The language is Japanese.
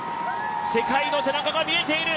世界の背中が見えている！